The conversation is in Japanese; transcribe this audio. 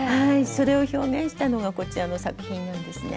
それを表現したのがこちらの作品なんですね。